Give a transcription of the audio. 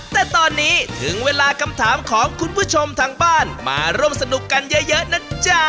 แต่ตอนนี้ถึงเวลาคำถามของคุณผู้ชมทางบ้านมาร่วมสนุกกันเยอะนะจ๊ะ